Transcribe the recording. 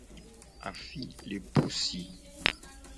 Afi le pu si.